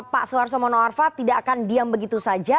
pak soeharto mono arfa tidak akan diam begitu saja